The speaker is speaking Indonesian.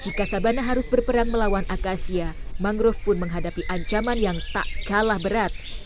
jika sabana harus berperan melawan akasia mangrove pun menghadapi ancaman yang tak kalah berat